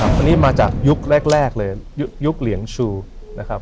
อันนี้มาจากยุคแรกเลยยุคเหลียงชูนะครับ